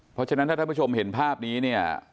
เพราะฉะนั้นถ้าท่านผู้ชมเห็นภาพนี้เนี่ย